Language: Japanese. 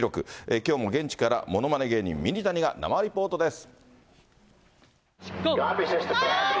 きょうも現地から、ものまね芸人、ミニタニが生リポートです。